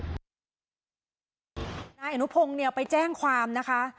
น้านาแอนุพงฯไปแจ้งความนะคะ